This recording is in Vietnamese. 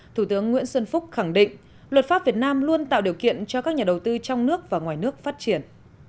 thủ tướng nguyễn xuân phúc khẳng định luật pháp việt nam luôn tạo điều kiện cho các nhà đầu tư trong nước và ngoài nước phát triển